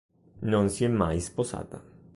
Non si è mai sposata.